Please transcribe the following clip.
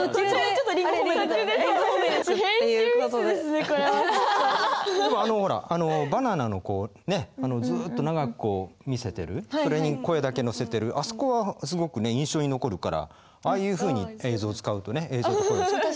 でもあのほらバナナのこうねっずっと長くこう見せてるそれに声だけ乗せてるあそこはすごくね印象に残るからああいうふうに映像を使うとね